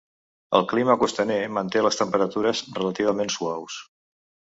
El clima costaner manté les temperatures relativament suaus.